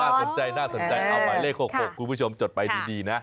สนใจน่าสนใจเอาหมายเลข๖๖คุณผู้ชมจดไปดีนะ